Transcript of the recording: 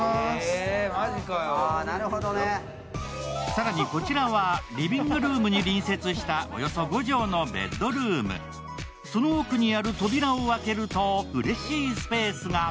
更にこちらはリビングルームに隣接したおよそ５畳のベッドルームその奥にある扉を開けるとうれしいスペースが。